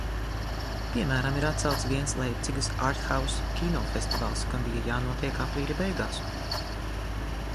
Piemēram, ir atcelts viens Leipcigas arthouse kino festivāls, kam bija jānotiek aprīļa beigās.